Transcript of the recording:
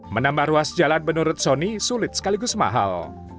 menambah ruas jalan menurut soni sulit sekaligus mahal